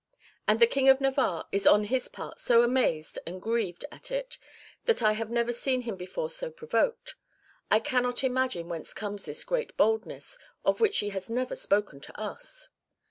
And the King of Navarre is on his part so amazed and grieved at it that I have never seen him before so provoked. I cannot imagine whence comes this great boldness, of which she had never spoken to us.